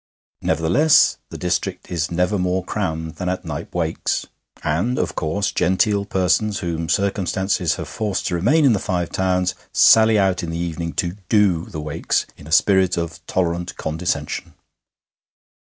Nevertheless, the district is never more crammed than at Knype Wakes. And, of course, genteel persons, whom circumstances have forced to remain in the Five Towns, sally out in the evening to 'do' the Wakes in a spirit of tolerant condescension.